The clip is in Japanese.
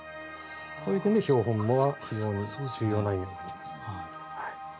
そういう点で標本は非常に重要な意味を持ちます。